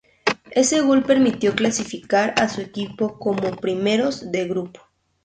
Ese gol permitió clasificar a su equipo como primeros de grupo.